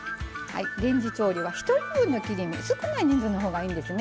レンジ調理は１人分の切り身少ない人数のほうがいいんですね。